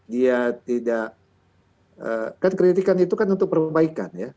dia tidak kan kritikan itu kan untuk perbaikan ya